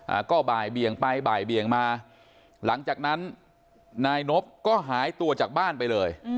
อ่าก็บ่ายเบียงไปบ่ายเบียงมาหลังจากนั้นนายนบก็หายตัวจากบ้านไปเลย